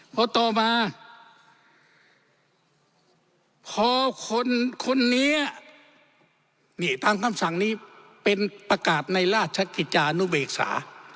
พอต่อมาพอคนคนนี้นี่ตามคำสั่งนี้เป็นประกาศในราชกิจจานุเบกษา